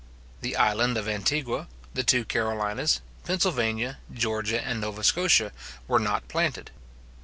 The island of Antigua, the two Carolinas, Pennsylvania, Georgia, and Nova Scotia, were not planted.